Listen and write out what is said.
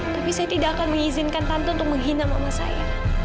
tapi saya tidak akan mengizinkan tante untuk menghina mama saya